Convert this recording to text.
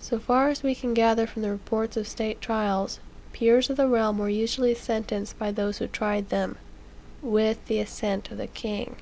So far as we can gather from the reports of state trials, peers of the realm were usually sentenced by those who tried them, with the assent of the king.